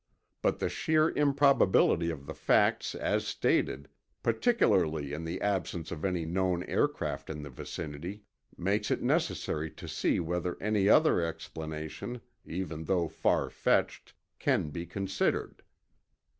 But the sheer improbability of the facts as stated, particularly in the absence of any known aircraft in the vicinity, makes it necessary to see whether any other explanation, even though farfetched, can be considered."